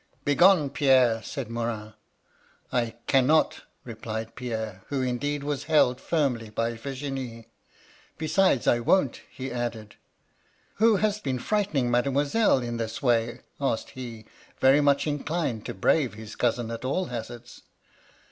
"* Begone,, Pierre!' said Morin. *''! cannot,' replied Pierre, who indeed was held firmly by Virginie. * Besides, I won't,' he added. *Who has been frightening Mademoiselle in this way ?' asked he, very much inclined to brave his cousin at all hazards.